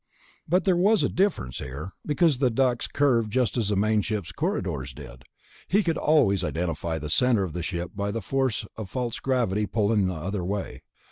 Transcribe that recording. But there was a difference here, because the ducts curved just as the main ship's corridors did. He could always identify the center of the ship by the force of false gravity pulling the other way.